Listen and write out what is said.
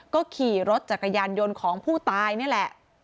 ก็ขี่รถจักรยานยนต์ของผู้ตายนี่แหละ